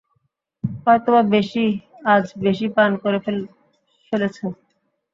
হয়তোবা বেশি আজ বেশি পান করে ফেলেছ।